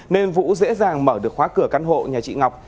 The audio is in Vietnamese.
nên vũ dễ dàng mở được khóa cửa căn hộ nhà chị ngọc